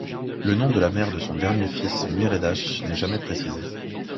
Le nom de la mère de son dernier fils Muiredach n'est jamais précisé.